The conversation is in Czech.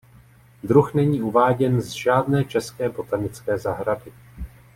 Druh není uváděn z žádné české botanické zahrady.